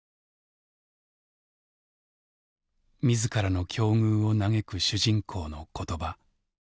自らの境遇を嘆く主人公の言葉。